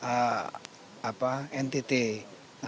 nah saya sudah pernah ke miangas